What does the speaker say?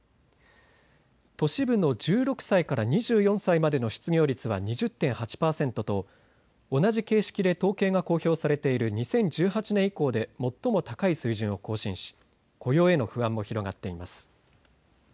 都市部の１６歳から２４歳までの失業率は２０．８％と同じ形式で統計が公表されている２０１８年以降で最も高い水準を更新し雇用への不安も広がっています。